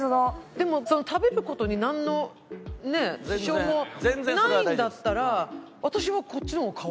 でも食べる事になんの支障もないんだったら私はこっちの方が可愛いよね。